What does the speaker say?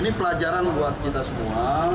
ini pelajaran buat kita semua